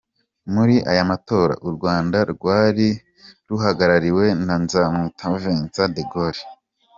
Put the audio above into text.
Muri aya matora, u Rwanda rwai ruhagarariwe na Nzamwita Vincent De Gaulle.